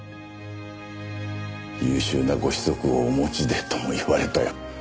「優秀なご子息をお持ちで」とも言われたよ。